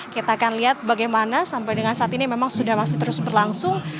kita akan lihat bagaimana sampai dengan saat ini memang sudah masih terus berlangsung